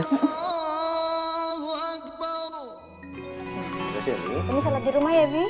ini salat di rumah ya bi